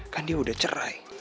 kan dia udah cerai